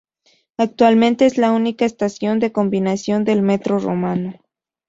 Actualmente es la única estación de combinación del metro romano.